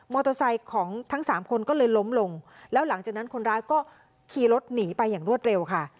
เตอร์ไซค์ของทั้งสามคนก็เลยล้มลงแล้วหลังจากนั้นคนร้ายก็ขี่รถหนีไปอย่างรวดเร็วค่ะ